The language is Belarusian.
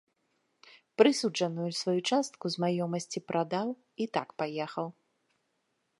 Прысуджаную сваю частку з маёмасці прадаў і так паехаў.